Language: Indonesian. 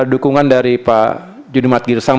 dukungan dari pak juni mat girsang